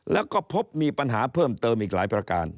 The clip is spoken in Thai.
แล้วก็พบมีปัญหาเพิ่มเติมอีกหลายประการ